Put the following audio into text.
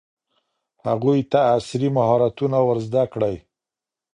هغوی ته عصري مهارتونه ور زده کړئ.